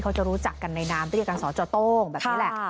เขาจะรู้จักกันในนามต้อแบบนี้แหละ